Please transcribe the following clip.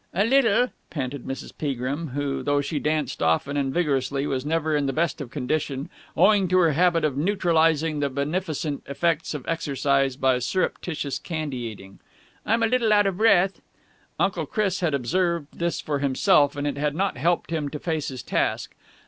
"A little," panted Mrs. Peagrim, who, though she danced often and vigorously, was never in the best of condition, owing to her habit of neutralizing the beneficent effects of exercise by surreptitious candy eating. "I'm a little out of breath." Uncle Chris had observed this for himself, and it had not helped him to face his task.